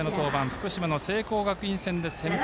福島、聖光学院戦で先発。